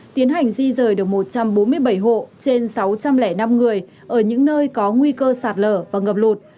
tiến hành di rời được một trăm bốn mươi bảy hộ trên sáu trăm linh năm người ở những nơi có nguy cơ sạt lở và ngập lụt